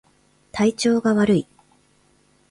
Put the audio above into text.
体調が悪い